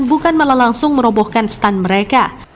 bukan malah langsung merobohkan stand mereka